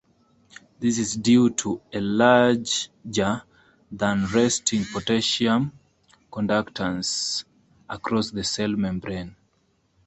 This is due to a larger-than-resting potassium conductance across the cell membrane.